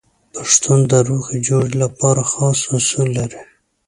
پښتون د روغې جوړې لپاره خاص اصول لري.